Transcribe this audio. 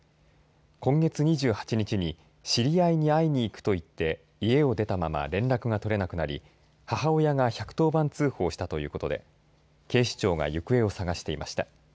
今月２８日に知り合いに会いにいくと言って家を出たまま連絡が取れなくなり母親が１１０番通報したということで警視庁が行方を捜していました。